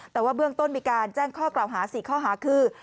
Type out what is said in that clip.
แต่ว่าเบื้องต้นมีการแจ้งข้อกล่าวหา๔ข้อหาคือ